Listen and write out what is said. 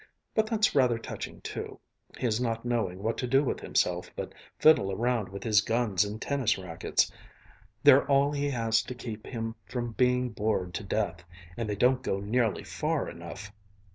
But that's rather touching too, his not knowing what to do with himself but fiddle around with his guns and tennis racquets. They're all he has to keep him from being bored to death, and they don't go nearly far enough.